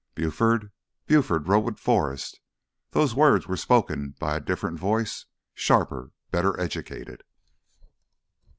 "Buford? Buford rode with Forrest." Those words were spoken by a different voice, sharper, better educated.